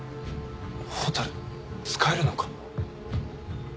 蛍使えるのか？